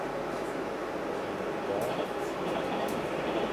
Me ne mvoè;